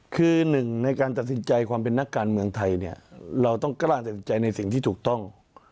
คือหนึ่งในการตัดสินใจความเป็นนักการเมืองไทยเนี่ยเราต้องกล้าตัดสินใจในสิ่งที่ถูกต้อง